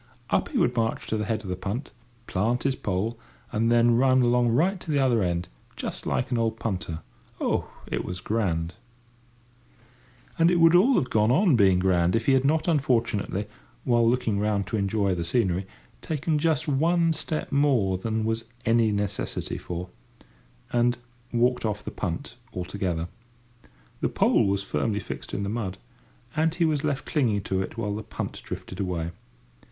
Up he would march to the head of the punt, plant his pole, and then run along right to the other end, just like an old punter. Oh! it was grand. [Picture: Man and pole] And it would all have gone on being grand if he had not unfortunately, while looking round to enjoy the scenery, taken just one step more than there was any necessity for, and walked off the punt altogether. The pole was firmly fixed in the mud, and he was left clinging to it while the punt drifted away.